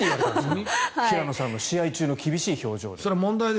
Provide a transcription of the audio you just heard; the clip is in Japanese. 平野さんの試合中の厳しい表情。